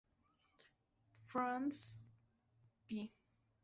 France; Pl.